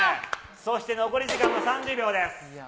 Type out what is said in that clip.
そして残り時間が３０秒です。